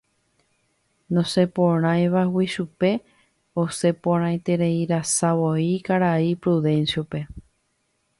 Nosẽporãiva guive chupe, osẽporãitereirasavoi karai Prudencio-pe.